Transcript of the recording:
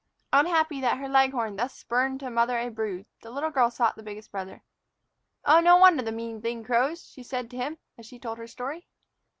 Unhappy that her leghorn thus spurned to mother a brood, the little girl sought the biggest brother. "Oh, no wonder the mean thing crows," she said to him, as she told her story.